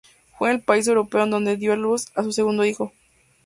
Fue en el país europeo en donde dio a luz a su segundo hijo.